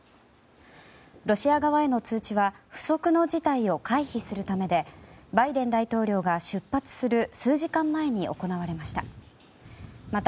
ロシア側への通知は不測の事態を回避するためでバイデン大統領が出発する数時間前に行われました。